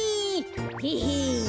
ヘヘ。